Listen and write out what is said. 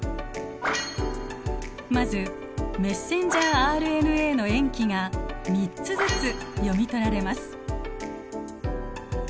まずメッセンジャーＲＮＡの塩基が３つずつ読み取られます。